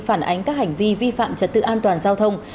phản ánh các hành vi vi phạm trật tự an toàn giao thông